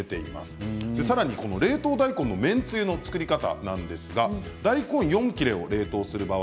さらに、冷凍大根の麺つゆの作り方なんですが大根４切れを冷凍する場合